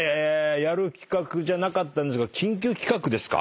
やる企画じゃなかったんですが緊急企画ですか？